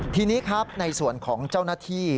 ทีนี้ครับในส่วนของเจ้าหน้าที่